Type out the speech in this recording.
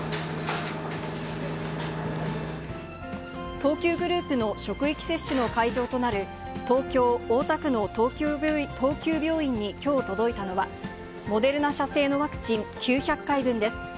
東急グループの職域接種の会場となる、東京・大田区の東急病院にきょう届いたのは、モデルナ社製のワクチン９００回分です。